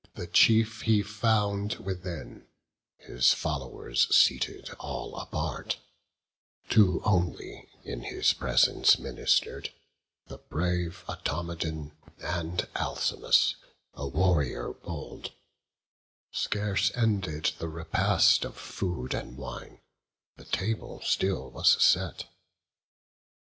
The chief he found Within, his followers seated all apart; Two only in his presence minister'd, The brave Automedon, and Alcimus, A warrior bold; scarce ended the repast Of food and wine; the table still was set.